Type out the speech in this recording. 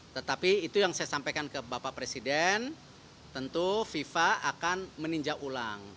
tetapi itu yang saya sampaikan ke bapak presiden tentu fifa akan meninjau ulang